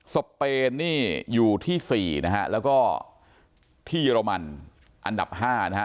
เปนนี่อยู่ที่๔นะฮะแล้วก็ที่เยอรมันอันดับ๕นะฮะ